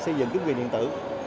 xây dựng chứng quyền điện tử